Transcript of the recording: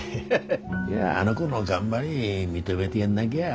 いやあの子の頑張り認めでやんなぎゃ。